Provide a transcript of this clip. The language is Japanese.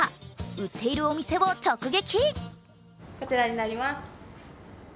売っているお店を直撃。